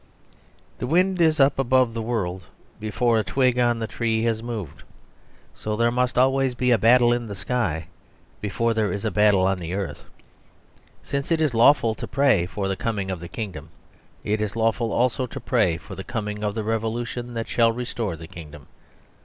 The wind is up above the world before a twig on the tree has moved. So there must always be a battle in the sky before there is a battle on the earth. Since it is lawful to pray for the coming of the kingdom, it is lawful also to pray for the coming of the revolution that shall restore the kingdom.